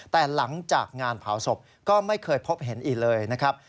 แต่หลังจากงานเผาศพก็ไม่เคยพบเห็นอีกเลยนะครับ